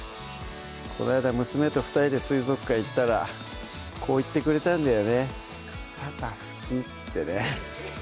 この間娘と２人で水族館行ったらこう言ってくれたんだよねってね